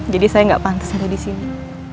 jadi saya nggak pantas ada di sini